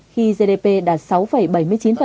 khi gdp đạt sáu bảy mươi chín